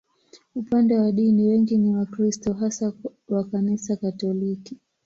Upande wa dini, wengi ni Wakristo, hasa wa Kanisa Katoliki.